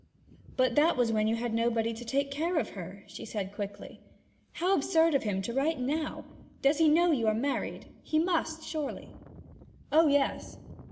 'But that was when you had nobody to take care of her,' she said quickly. 'How absurd of him to write now! Does he know you are married? He must, surely.' 'Oh yes!'